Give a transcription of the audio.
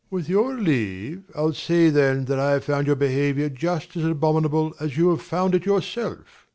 ABBÉ. With your leave, I'll say then that I have found your behaviour just as abominable as you have found it yourself.